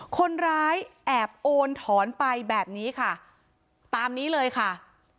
คนร้ายแอบโอนถอนไปแบบนี้ค่ะตามนี้เลยค่ะ